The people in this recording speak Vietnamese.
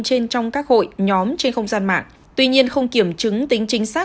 trên trong các hội nhóm trên không gian mạng tuy nhiên không kiểm chứng tính chính xác